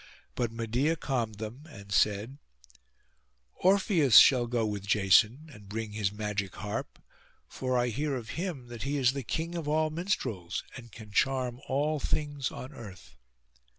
But Medeia calmed them, and said, 'Orpheus shall go with Jason, and bring his magic harp; for I hear of him that he is the king of all minstrels, and can charm all things on earth.